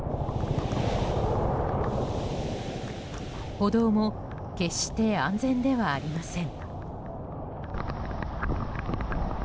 歩道も決して安全ではありません。